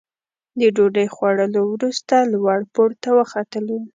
د ډوډۍ خوړلو وروسته لوړ پوړ ته وختلو.